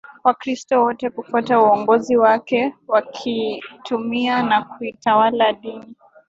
Wakristo wote kufuata uongozi wake wakiitumia na kuitawala dini